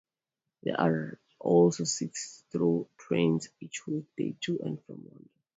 There are also six through trains each weekday to and from London.